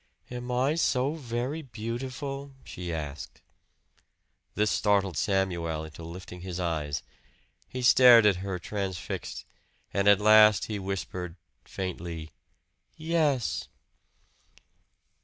"Am I so very beautiful?" she asked. This startled Samuel into lifting his eyes. He stared at her, transfixed; and at last he whispered, faintly, "Yes."